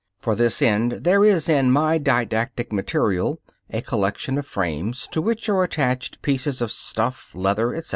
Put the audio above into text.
For this end there is in my didactic material a collection of frames to which are attached pieces of stuff, leather, etc.